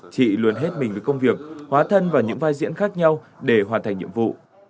chị luôn hết mình với công việc hóa thân vào những vai diễn khác nhau để hoàn thành nhiệm vụ